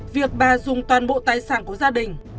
việc bà dùng toàn bộ tài sản của gia đình